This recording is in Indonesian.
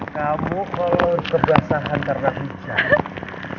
kamu kalau kebiasaan karena hujan